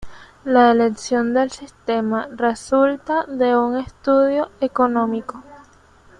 La elección del sistema resulta de un estudio económico.